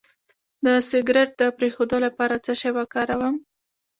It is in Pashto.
د سګرټ د پرېښودو لپاره څه شی وکاروم؟